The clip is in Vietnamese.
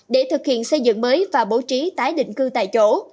để thực hiện xây dựng mới và bố trí tái định cư tại chỗ